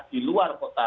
di luar kota